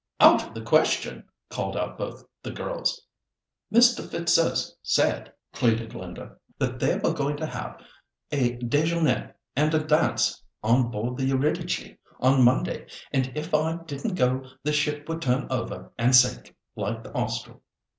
out of the question," called out both the girls. "Mr. Fitzurse said," pleaded Linda, "that they were going to have a déjeuner and a dance on board the Eurydice on Monday, and if I didn't go the ship would turn over and sink, like the Austral."